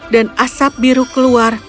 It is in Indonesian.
dan asap biru keluar